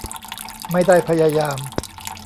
ไม่ได้พยายาม